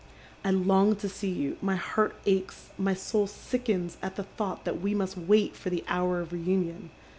" I long to see you, my heart aches, my soul sickens at the thought that we must wait for the hour of reunion.